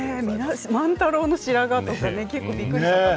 万太郎の白髪とか結構びっくりしました。